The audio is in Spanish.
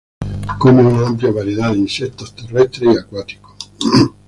Come una amplia variedad de insectos terrestres y acuáticos.